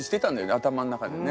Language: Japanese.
頭の中でね。